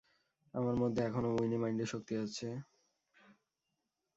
আমার মধ্যে এখনও ইউনি-মাইন্ডের শক্তি আছে।